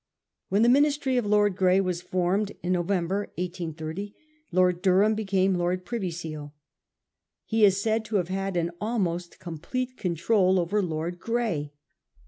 When the Ministry of Lord Grey was formed, in November 1830, Lord Durham became Lord Privy Seal. He is said to have had an almost complete control over Lord Grey.